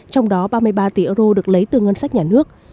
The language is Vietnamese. trong đó ba mươi ba tỷ euro được lấy từ ngân sách nhà nước